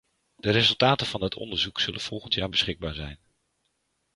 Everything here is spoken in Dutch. De resultaten van dat onderzoek zullen volgend jaar beschikbaar zijn.